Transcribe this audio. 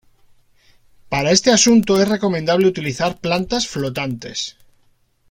Para este asunto es recomendable utilizar plantas flotantes.